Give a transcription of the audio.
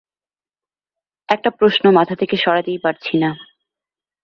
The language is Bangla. একটা প্রশ্ন মাথা থেকে সরাতেই পারছি না।